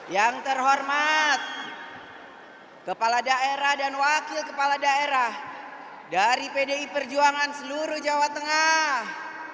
yang terhormat kepala daerah dan wakil kepala daerah dari pdi perjuangan seluruh jawa tengah